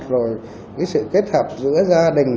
rồi cái sự kết hợp giữa gia đình